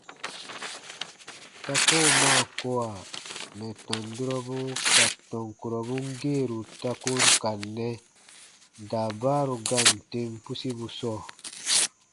Ta koo maa kowa mɛ̀ tɔn durɔbu ka tɔn kurɔbun geeru ta ko n ka nɛ daabaaru gaan tem pusibu sɔɔ.